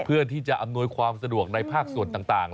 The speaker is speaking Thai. ที่จะอำนวยความสะดวกในภาคส่วนต่าง